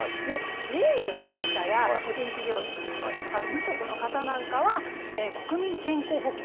自営業の方や個人事業主の方とかあと無職の方なんかは国民健康保険。